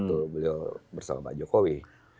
betul beliau bersama pak jokowi